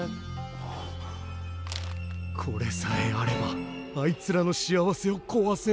これさえあればあいつらの幸せをこわせる。